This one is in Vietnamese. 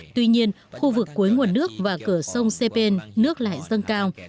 tuy nhiên khu vực cuối nguồn nước và cửa sông sê pên nước lại dâng cao